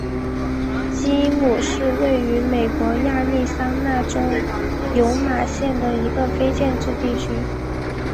基姆是位于美国亚利桑那州尤马县的一个非建制地区。